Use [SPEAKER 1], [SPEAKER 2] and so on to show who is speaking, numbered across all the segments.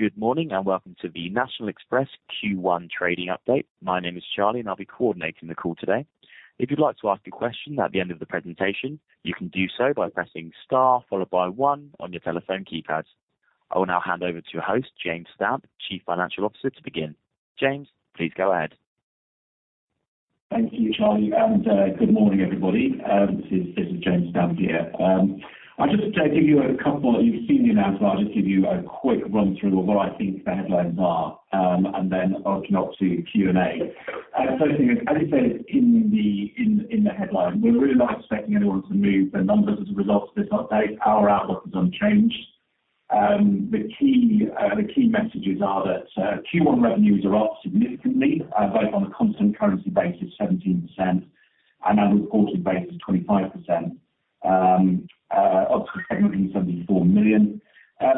[SPEAKER 1] Good morning. Welcome to the National Express Q1 trading update. My name is Charlie. I'll be coordinating the call today. If you'd like to ask a question at the end of the presentation, you can do so by pressing star followed by one on your telephone keypad. I will now hand over to your host, James Stamp, Chief Financial Officer, to begin. James, please go ahead.
[SPEAKER 2] Thank you, Charlie, good morning, everybody. This is James Stamp here. You've seen the announcement. I'll just give you a quick run through of what I think the headlines are, then open up to Q&A. As I said, in the headline, we're really not expecting anyone to move the numbers as a result of this update. Our outlook is unchanged. The key messages are that Q1 revenues are up significantly, both on a constant currency basis 17% and a reported basis 25%, operating 74 million. That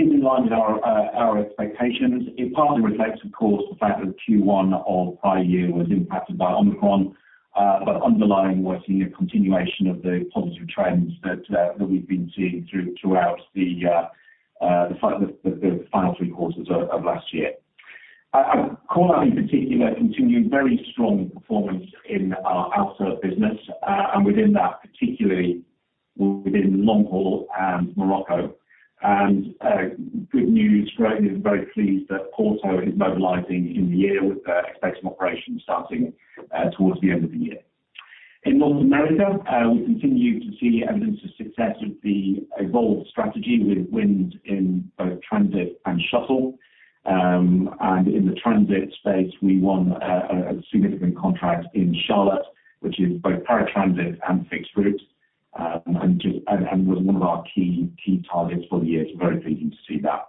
[SPEAKER 2] is in line with our expectations. It partly reflects, of course, the fact that Q1 of prior year was impacted by Omicron. But underlying, we're seeing a continuation of the positive trends that we've been seeing throughout the final three quarters of last year. I call out in particular continued very strong performance in our ALSA business, and within that, particularly within Long Haul and Morocco. Good news, great news, very pleased that Porto is mobilizing in the year with the expectation of operations starting towards the end of the year. In North America, we continue to see evidence of success of the evolved strategy with wins in both transit and shuttle. In the transit space, we won a significant contract in Charlotte, which is both paratransit and fixed route, and was one of our key targets for the year. Very pleasing to see that.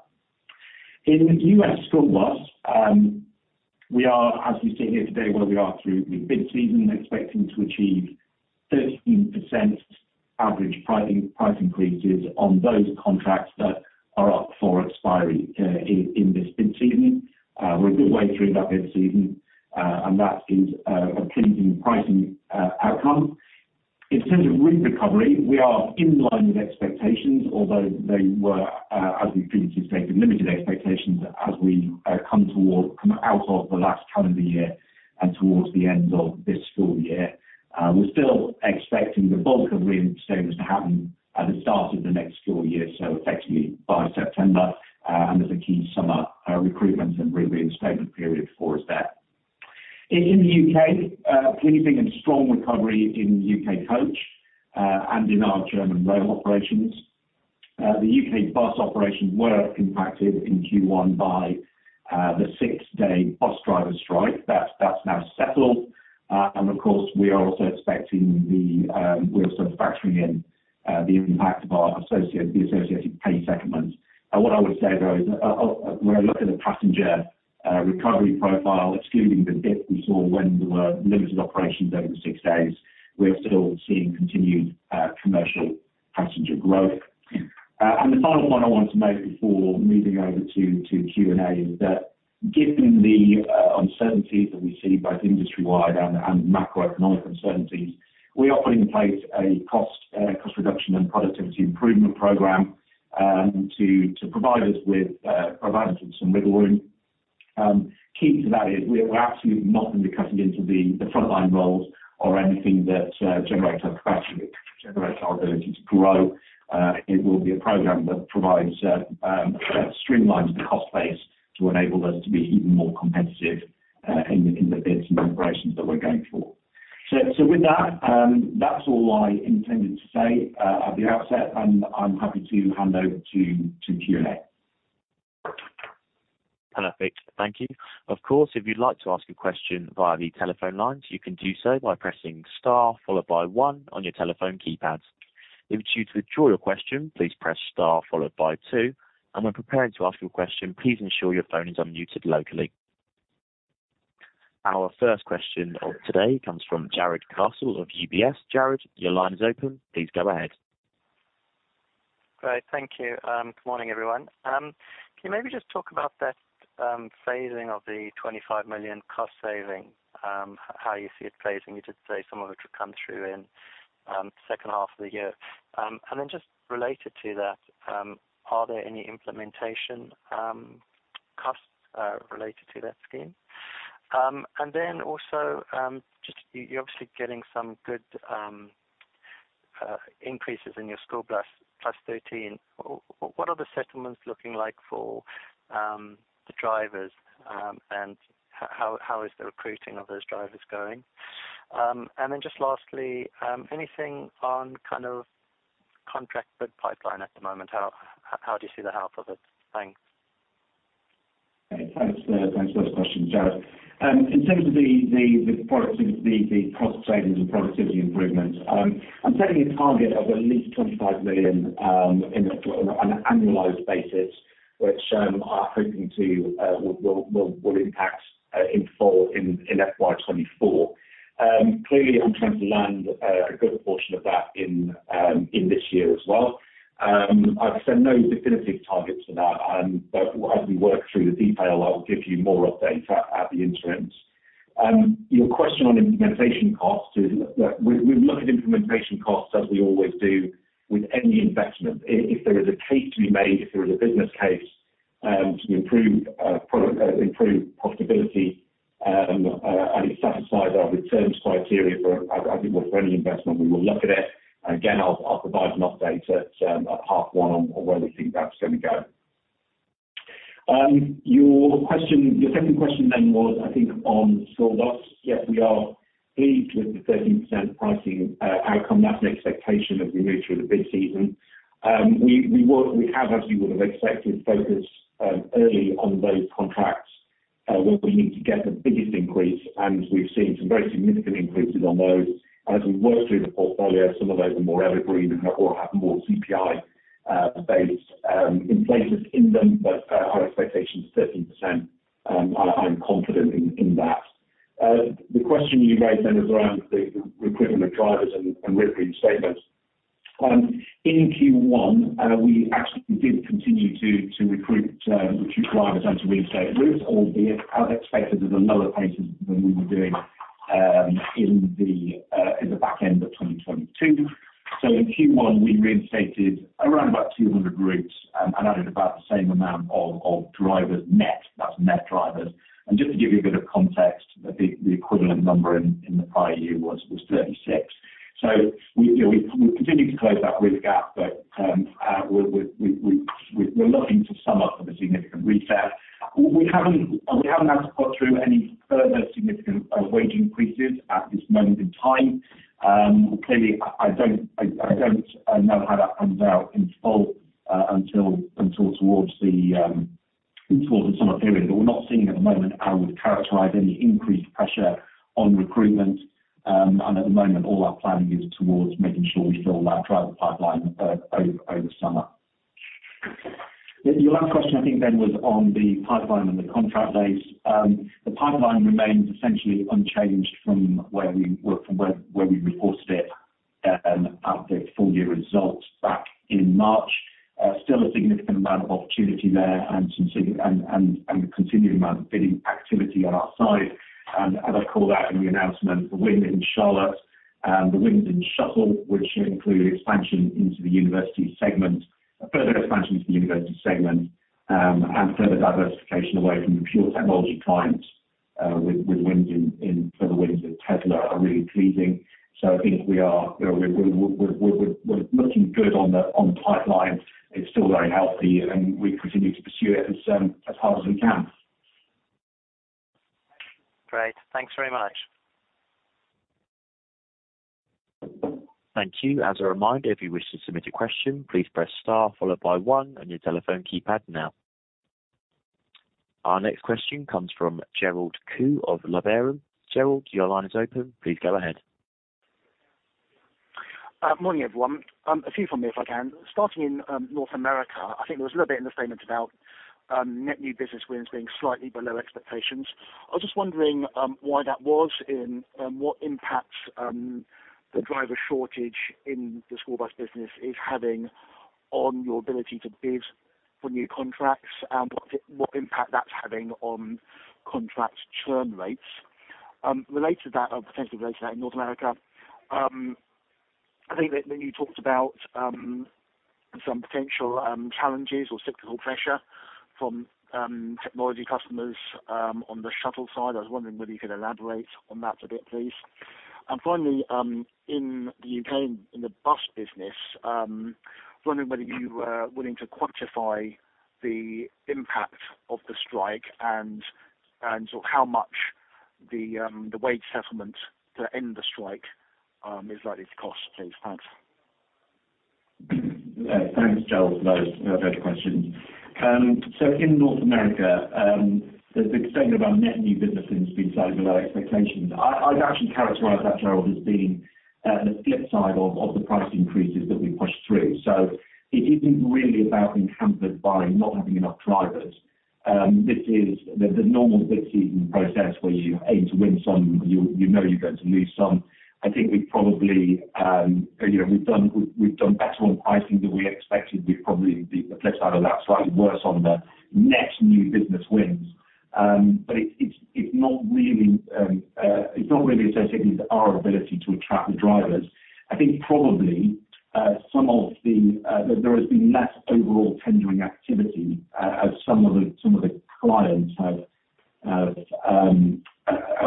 [SPEAKER 2] In US school bus, we are, as you sit here today, where we are through with bid season expecting to achieve 13% average pricing, price increases on those contracts that are up for expiry in this bid season. We're a good way through that bid season, and that is a pleasing pricing outcome. In terms of route recovery, we are in line with expectations, although they were, as we previously stated, limited expectations as we come out of the last calendar year and towards the end of this school year. We're still expecting the bulk of reinstatements to happen at the start of the next school year, so effectively by September. And there's a key summer recruitment and reinstatement period for us there. In the UK, pleasing and strong recovery in UK Coach, and in our German rail operations. The UK bus operations were impacted in Q1 by the six-day bus driver strike. That's now settled. Of course, we are also factoring in, the impact of our associate, the associated pay settlements. What I would say, though, is, when I look at the passenger, recovery profile, excluding the dip we saw when there were limited operations over the six days, we are still seeing continued, commercial passenger growth. The final point I wanted to make before moving over to Q&A is that given the uncertainties that we see both industry-wide and macroeconomic uncertainties, we are putting in place a cost reduction and productivity improvement program to provide us with some wiggle room. Key to that is we're absolutely not going to be cutting into the frontline roles or anything that generates our capacity, generates our ability to grow. It will be a program that provides streamlines the cost base to enable us to be even more competitive in the bids and operations that we're going for. With that's all I intended to say at the outset, and I'm happy to hand over to Q&A.
[SPEAKER 1] Perfect. Thank you. Of course, if you'd like to ask a question via the telephone lines, you can do so by pressing star followed by 1 on your telephone keypad. If you'd choose to withdraw your question, please press star followed by 2. When preparing to ask your question, please ensure your phone is unmuted locally. Our first question of today comes from Jarrod Castle of UBS. Jared, your line is open. Please go ahead.
[SPEAKER 3] Great. Thank you. Good morning, everyone. Can you maybe just talk about that phasing of the 25 million cost saving, how you see it phasing? You did say some of it would come through in second half of the year. Related to that, are there any implementation costs related to that scheme? Also, you're obviously getting some good increases in your school bus, +13%. What are the settlements looking like for the drivers, and how is the recruiting of those drivers going? Lastly, anything on kind of contract bid pipeline at the moment? How do you see the health of it? Thanks.
[SPEAKER 2] Thanks for those questions, Jarrod. In terms of the productivity, the cost savings and productivity improvements, I'm setting a target of at least 25 million on an annualized basis, which I'm hoping to will impact in full in FY24. Clearly I'm trying to land a good portion of that in this year as well. I've said no definitive targets for that, but as we work through the detail, I'll give you more update at the interim. Your question on implementation costs is look, we look at implementation costs as we always do with any investment. If there is a case to be made, if there is a business case, to improve profitability, and it satisfies our returns criteria for, I think, well, for any investment, we will look at it. Again, I'll provide an update at half one on where we think that's going to go. Your second question was, I think on school bus. Yes, we are pleased with the 13% pricing outcome. That's an expectation as we move through the bid season. We have, as you would have expected, focused early on those contracts where we need to get the biggest increase, and we've seen some very significant increases on those. As we work through the portfolio, some of those are more evergreen or have more CPI based inflators in them. Our expectation is 13%, and I'm confident in that. The question you raised then was around the recruitment of drivers and route reinstatements. In Q1, we actually did continue to recruit drivers and to reinstate routes, albeit as expected at a lower pace than we were doing in the back end of 2022. In Q1, we reinstated around about 200 routes and added about the same amount of drivers net. That's net drivers. Just to give you a bit of context, the equivalent number in the prior year was 36. We, you know, we continue to close that route gap, but we're looking to summer for the significant reset. We haven't, we haven't had to put through any further significant wage increases at this moment in time. Clearly, I don't know how that pans out in full until towards the summer period. We're not seeing at the moment I would characterize any increased pressure on recruitment. At the moment, all our planning is towards making sure we fill that driver pipeline over the summer. Your last question I think then was on the pipeline and the contract base. The pipeline remains essentially unchanged from where we reported it at the full year results back in March. Still a significant amount of opportunity there and a continuing amount of bidding activity on our side. As I called out in the announcement, the win in Charlotte, the wins in shuttle, which include expansion into the university segment, a further expansion into the university segment, and further diversification away from the pure technology clients, with wins in further wins with Tesla are really pleasing. I think we are, you know, we're looking good on the pipeline. It's still very healthy, and we continue to pursue it as hard as we can.
[SPEAKER 1] Great. Thanks very much. Thank you. As a reminder, if you wish to submit a question, please press star followed by one on your telephone keypad now. Our next question comes from Gerald Khoo of Liberum. Gerald, your line is open. Please go ahead.
[SPEAKER 4] Morning, everyone. A few from me, if I can. Starting in North America, I think there was a little bit in the statement about net new business wins being slightly below expectations. I was just wondering why that was and what impact the driver shortage in the school bus business is having on your ability to bid for new contracts, what impact that's having on contract churn rates. Related to that or potentially related to that in North America, I think that when you talked about some potential challenges or cyclical pressure from technology customers on the shuttle side, I was wondering whether you could elaborate on that a bit, please. Finally, in the UK, in the bus business, wondering whether you are willing to quantify the impact of the strike and sort of how much the wage settlement to end the strike is likely to cost, please. Thanks.
[SPEAKER 2] Thanks, Gerald, for those questions. In North America, the extent of our net new business has been slightly below expectations. I'd actually characterize that, Gerald, as being the flip side of the price increases that we pushed through. It isn't really about being hampered by not having enough drivers. This is the normal bid season process where you aim to win some, you know you're going to lose some. I think we probably, you know, we've done better on pricing than we expected. We'd probably be, the flip side of that, slightly worse on the net new business wins. It's not really associated with our ability to attract the drivers. I think probably, some of the, there has been less overall tendering activity as some of the clients have,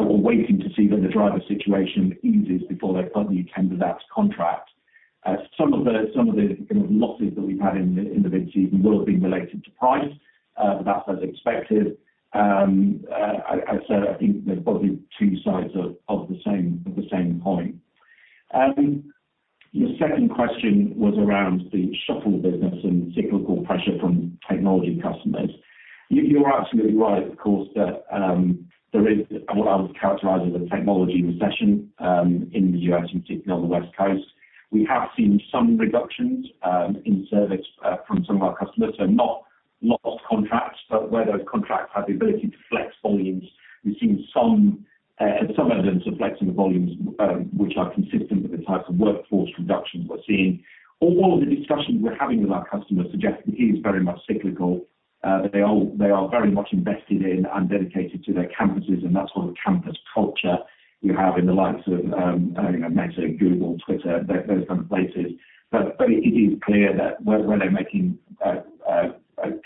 [SPEAKER 2] were waiting to see whether the driver situation eases before they publicly tender that contract. Some of the, kind of, losses that we've had in the bid season will have been related to price. That's as expected. As I said, I think there's probably 2 sides of the same coin. Your second question was around the shuttle business and cyclical pressure from technology customers. You're absolutely right, of course, that there is what I would characterize as a technology recession, in the U.S. and particularly on the West Coast. We have seen some reductions, in service, from some of our customers. Not lost contracts, but where those contracts have the ability to flex volumes, we've seen some evidence of flexing the volumes, which are consistent with the types of workforce reductions we're seeing. All of the discussions we're having with our customers suggest that it is very much cyclical. They are very much invested in and dedicated to their campuses, and that's all a campus culture. You have in the likes of, you know, Meta, Google, Twitter, those kind of places. It is clear that where they're making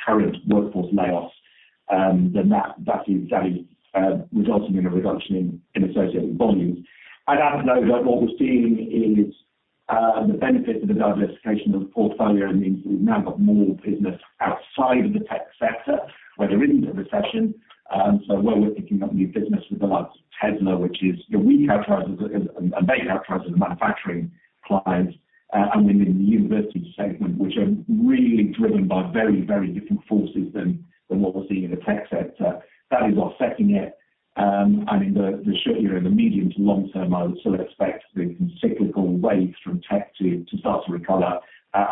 [SPEAKER 2] current workforce layoffs, then that is going resulting in a reduction in associated volumes. I'd add, though, that what we're seeing is the benefit of the diversification of the portfolio. It means we've now got more business outside of the tech sector where there isn't a recession. Where we're picking up new business with the likes of Tesla, which is a new advertiser and a big advertiser in the manufacturing clients, and within the university segment, which are really driven by very, very different forces than what we're seeing in the tech sector. That is offsetting it, in the short year, in the medium to long term, I would still expect the cyclical waves from tech to start to recover.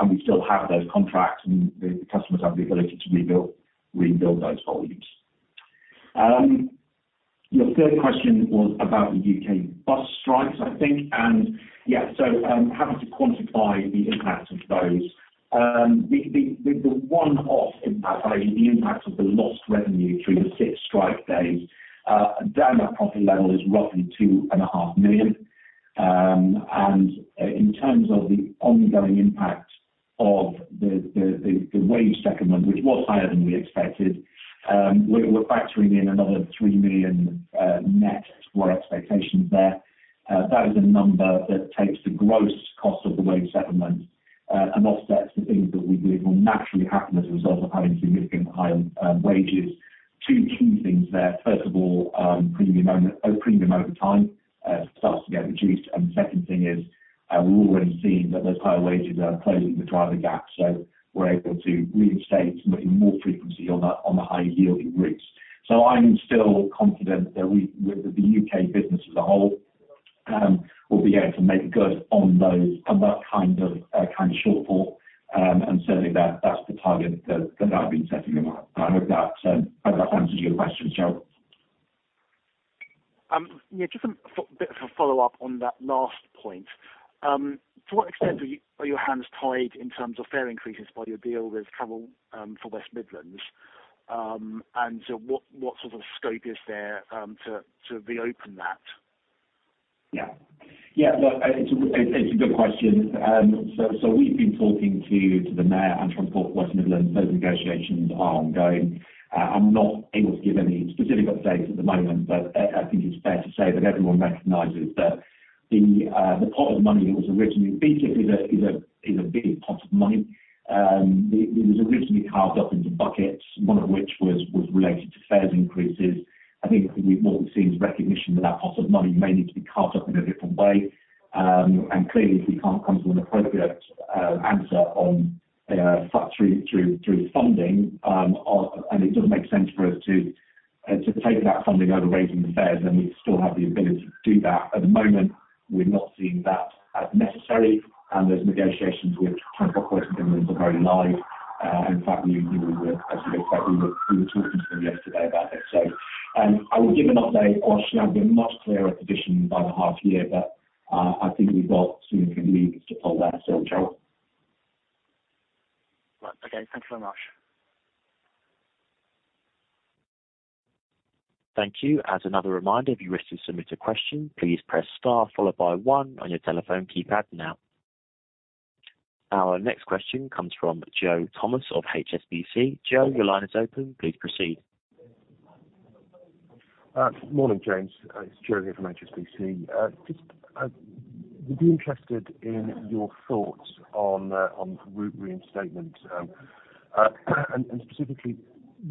[SPEAKER 2] We still have those contracts and the customers have the ability to rebuild those volumes. Your third question was about the UK bus strikes, I think. Yeah, having to quantify the impact of those. The one-off impact, i.e. The impact of the lost revenue through the six strike days, down at profit level is roughly 2.5 million. And in terms of the ongoing impact of the wage settlement, which was higher than we expected, we're factoring in another 3 million next for expectations there. That is a number that takes the gross cost of the wage settlement and offsets the things that we believe will naturally happen as a result of having significantly higher wages. Two key things there. First of all, premium overtime starts to get reduced. And the second thing is, we're already seeing that those higher wages are closing the driver gap, so we're able to reinstate somebody more frequently on the high-yielding routes. I'm still confident that we, with the UK business as a whole, will be able to make good on those, on that kind of shortfall. Certainly that's the target that I've been setting them up. I hope that answers your question, Charles.
[SPEAKER 4] Yeah, just a bit of a follow-up on that last point. To what extent are your hands tied in terms of fare increases by your deal with Transport for West Midlands? What sort of scope is there to reopen that?
[SPEAKER 2] Yeah. Yeah, look, it's a good question. We've been talking to the mayor and Transport for West Midlands. Those negotiations are ongoing. I'm not able to give any specific updates at the moment, but I think it's fair to say that everyone recognizes that the pot of money that was originally... BTIC is a big pot of money. It was originally carved up into buckets, one of which was related to fares increases. I think what we've seen is recognition that that pot of money may need to be carved up in a different way. Clearly, if we can't come to an appropriate answer on funding, it doesn't make sense for us to take that funding over raising the fares, then we still have the ability to do that. At the moment, we're not seeing that as necessary. Those negotiations with Transport for West Midlands are very live. In fact, we were, as we expect, we were talking to them yesterday about this. I will give an update or I should have a much clearer position by the half year, but I think we've got significant levers to pull there. Charles.
[SPEAKER 4] Well, again, thank you very much.
[SPEAKER 1] Thank you. As another reminder, if you wish to submit a question, please press star followed by 1 on your telephone keypad now. Our next question comes from Joe Thomas of HSBC. Joe, your line is open. Please proceed.
[SPEAKER 5] Morning, James. It's Joe here from HSBC. just we'd be interested in your thoughts on route reinstatement. and specifically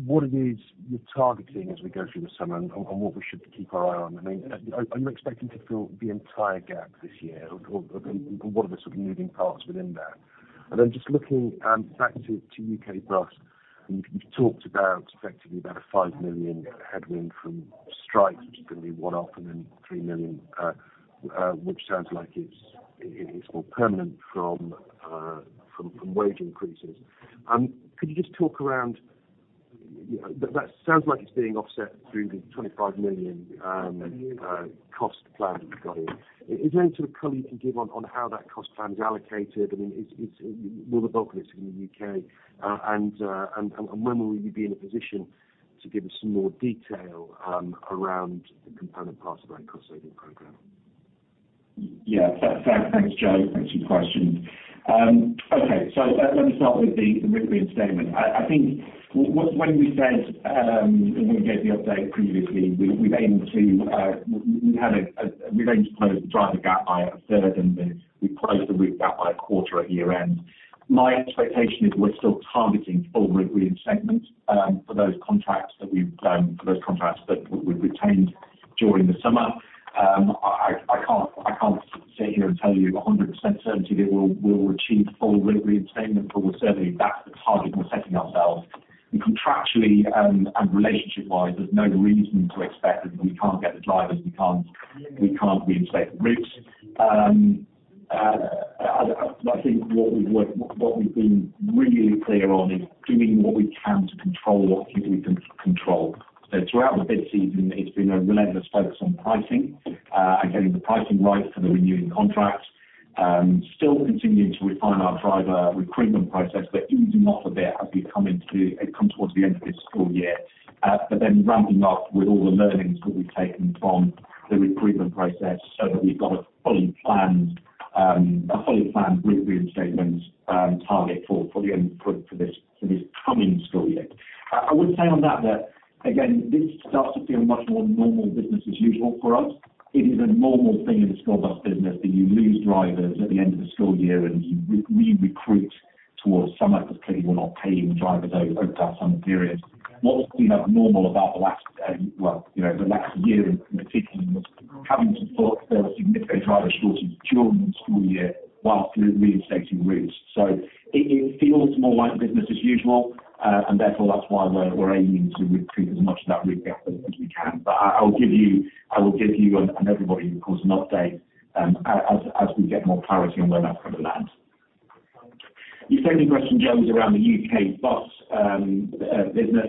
[SPEAKER 5] what it is you're targeting as we go through the summer and what we should keep our eye on. I mean, are you expecting to fill the entire gap this year or, I mean, what are the sort of moving parts within that? Then just looking back to UK bus, you talked about effectively about a 5 million headwind from strikes, which is going to be one-off, and then 3 million which sounds like it's more permanent from wage increases. Could you just talk around, you know, that sounds like it's being offset through the 25 million cost plan that you've got here? Is there any sort of color you can give on how that cost plan is allocated? I mean, Will the bulk of it is in the UK? When will you be in a position to give us some more detail, around the component parts of that cost-saving program?
[SPEAKER 2] Thanks. Thanks, Joe. Thanks for your questions. Okay. Let me start with the route reinstatement. I think when we said, when we gave the update previously, we aimed to, We were going to close the driver gap by a third, and then we closed the route gap by a quarter at year-end. My expectation is we're still targeting full route reinstatement for those contracts that we've retained during the summer. I can't sit here and tell you 100% certainty that we'll achieve full route reinstatement. We're certainly, that's the target we're setting ourselves. Contractually, and relationship-wise, there's no reason to expect that we can't get the drivers, we can't reinstate the routes. I think what we've been really clear on is doing what we can to control what we can control. Throughout the bid season, it's been a relentless focus on pricing, and getting the pricing right for the renewing contracts. Still continuing to refine our driver recruitment process, but easing off a bit as we come towards the end of this school year. Ramping up with all the learnings that we've taken from the recruitment process so that we've got a fully planned route reinstatement target for this coming school year. I would say on that again, this starts to feel much more normal business as usual for us. It is a normal thing in the school bus business that you lose drivers at the end of the school year and you re-recruit towards summer 'cause clearly we're not paying drivers over that summer period. What's been abnormal about the last, you know, the last year in particular was having to sort the significant driver shortages during the school year whilst reinstating routes. It feels more like business as usual, and therefore that's why we're aiming to recruit as much of that route back as we can. I will give you and everybody of course an update as we get more clarity on where that's going to land. Your second question, James, around the UK bus business.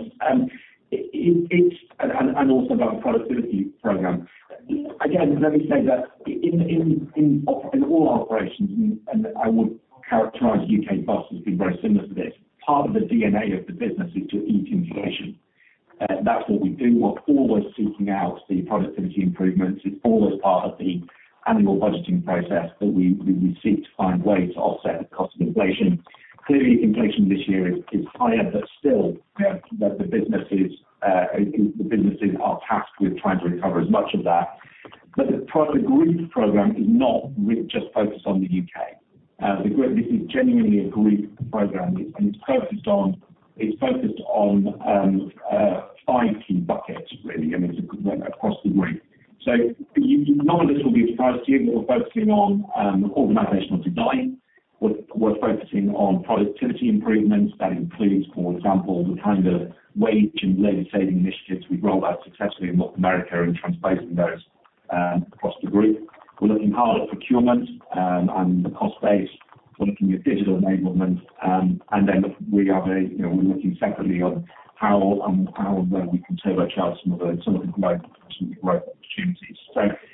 [SPEAKER 2] It's also about productivity program. Again, let me say that in all our operations, and I would characterize UK bus as being very similar to this, part of the DNA of the business is to eat inflation. That's what we do. We're always seeking out the productivity improvements. It's always part of the annual budgeting process that we seek to find ways to offset the cost of inflation. Clearly, inflation this year is higher, but still, you know, the businesses are tasked with trying to recover as much of that. The group program is not just focused on the UK. The group, this is genuinely a group program. It's focused on 5 key buckets really. I mean, it's across the group. You, none of this will be a surprise to you, but we're focusing on organizational design. We're focusing on productivity improvements. That includes, for example, the kind of wage and labor saving initiatives we've rolled out successfully in North America and transplanting those across the group. We're looking hard at procurement and the cost base. We're looking at digital enablement. We are very, you know, we're looking separately on how and where we can turbocharge some of the growth opportunities.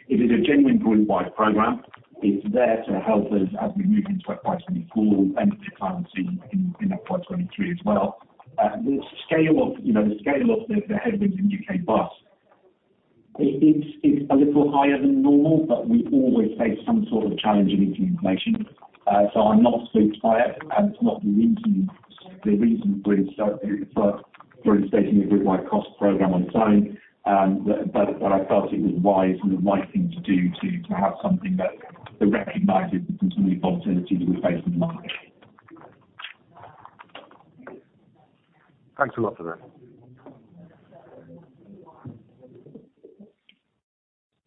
[SPEAKER 2] It is a genuine group-wide program. It's there to help us as we move into a FY24 and give clarity in that FY23 as well. The scale of, you know, the scale of the headwinds in UK bus it's a little higher than normal, but we always face some sort of challenge in eating inflation. I'm not too surprised. It's not the reason for reinstating a group-wide cost program on its own. I felt it was wise and the right thing to do to have something that recognizes the continued volatility that we face in the market. Thanks a lot for that.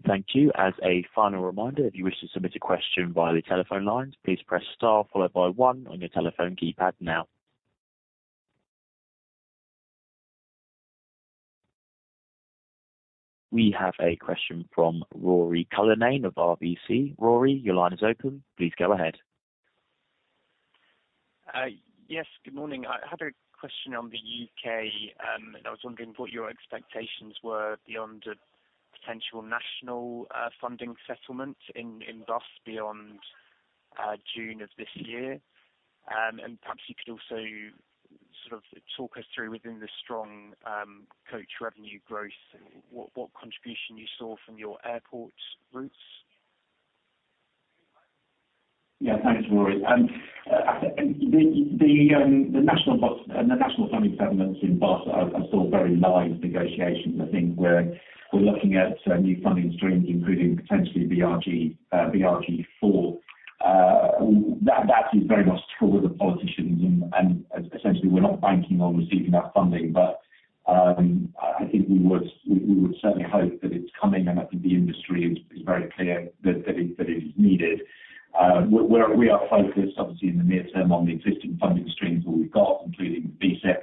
[SPEAKER 1] Thank you. As a final reminder, if you wish to submit a question via the telephone lines, please press star followed by 1 on your telephone keypad now. We have a question from Ruairi Cullinane of RBC. Rory, your line is open. Please go ahead.
[SPEAKER 6] Yes. Good morning. I had a question on the UK, and I was wondering what your expectations were beyond a potential national funding settlement in bus beyond June of this year. Perhaps you could also sort of talk us through within the strong coach revenue growth, what contribution you saw from your airport routes.
[SPEAKER 2] Yeah. Thanks, Rory. The national and the national funding settlements in bus are still very live negotiations. I think we're looking at new funding streams, including potentially BRG 4. That is very much to the politicians and essentially we're not banking on receiving that funding. I think we would certainly hope that it's coming, and I think the industry is very clear that it is needed. We are focused obviously in the near term on the existing funding streams that we've got, including BSIP,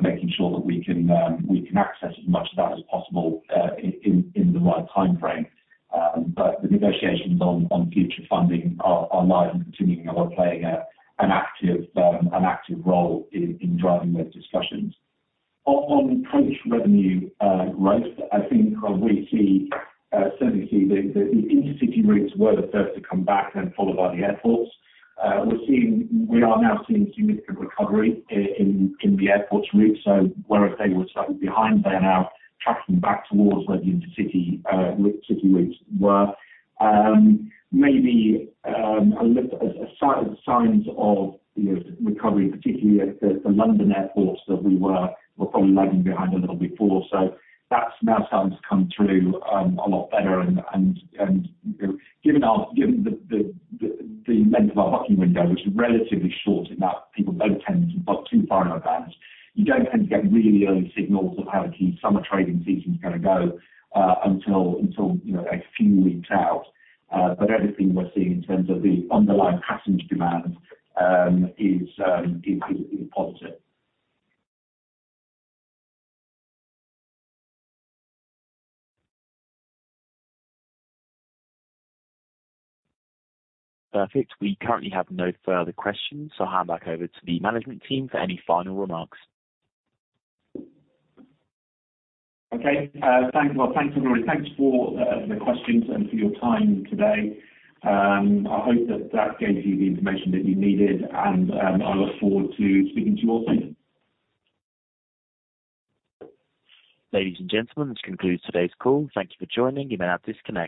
[SPEAKER 2] making sure that we can access as much of that as possible in the right timeframe. The negotiations on future funding are live and continuing, and we're playing an active role in driving those discussions. On coach revenue, growth, I think we see, certainly see the intercity routes were the first to come back, then followed by the airports. We are now seeing significant recovery in the airports routes. Whereas they were slightly behind, they are now tracking back towards where the intercity routes were. Maybe, a little. Signs of, you know, recovery, particularly at the London airports that we were probably lagging behind a little before. That's now starting to come through a lot better and given our, given the length of our booking window, which is relatively short in that people don't tend to book too far in advance, you don't tend to get really early signals of how a key summer trading season's going to go until, you know, a few weeks out. Everything we're seeing in terms of the underlying passenger demand is positive.
[SPEAKER 1] Perfect. We currently have no further questions, so I'll hand back over to the management team for any final remarks.
[SPEAKER 2] Okay. Thank you. Well, thanks, everybody. Thanks for the questions and for your time today. I hope that that gave you the information that you needed and I look forward to speaking to you all soon.
[SPEAKER 1] Ladies and gentlemen, this concludes today's call. Thank you for joining. You may now disconnect.